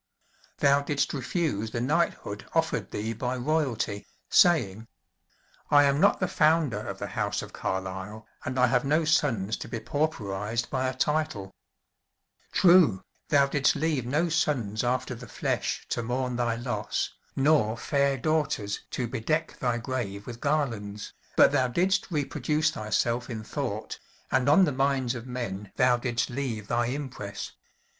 "Thou didst refuse the Knighthood offered thee by royalty, saying, 'I am not the founder of the house of Carlyle and I have no sons to be pauperized by a title,' True, thou didst leave no sons after the flesh to mourn thy loss, nor fair daughters to bedeck thy grave with garlands, but thou didst reproduce thyself in thought, and on the minds of men thou didst leave thy impress.